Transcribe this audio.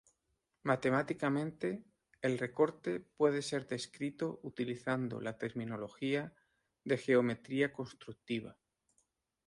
Matemáticamente, el recorte puede ser descrito utilizando la terminología de geometría constructiva.